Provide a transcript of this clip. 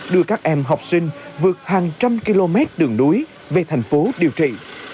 đưa các em học sinh vượt hàng trăm km đường núi về thành phố điều trị